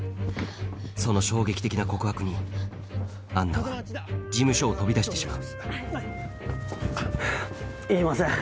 その衝撃的な告白にアンナは事務所を飛び出してしまういません。